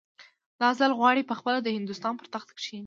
دا ځل غواړي پخپله د هندوستان پر تخت کښېني.